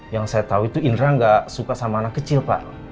yang saya tahu itu indra gak suka sama anak kecil pak